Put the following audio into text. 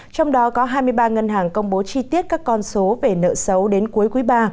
trong đó có hai mươi ba ngân hàng công bố chi tiết các con số về nợ xấu đến cuối quý ba